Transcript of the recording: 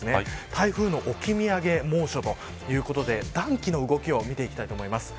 台風の置き土産猛暑ということで暖気の動きを見ていきたいと思います。